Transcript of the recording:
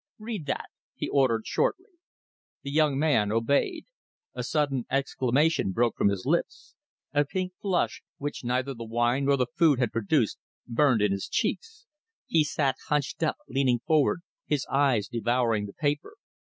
"Read that," he ordered shortly. The young man obeyed. A sudden exclamation broke from his lips. A pink flush, which neither the wine nor the food had produced, burned in his cheeks. He sat hunched up, leaning forward, his eyes devouring the paper.